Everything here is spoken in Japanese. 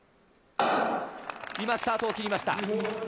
今、スタートを切りました。